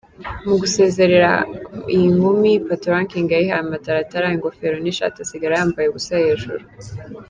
Mu gusezera iyi nkumi, Patoranking yayihaye amataratara, ingofero n’ishati asigara yambaye ubusa hejuru.